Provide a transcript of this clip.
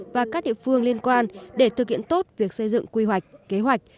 và các địa phương liên quan để thực hiện tốt việc xây dựng quy hoạch kế hoạch